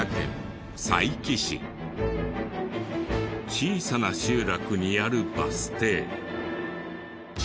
小さな集落にあるバス停。